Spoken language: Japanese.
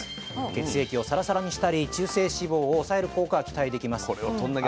血液をサラサラにしたり中性脂肪を抑える効果が期待できます。